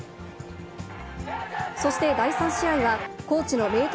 そして第３試合は、高知の明徳